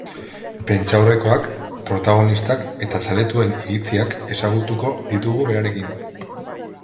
Prentsaurrekoak, protagonistak, eta zaletuen iritziak ezagutuko ditugu berarekin.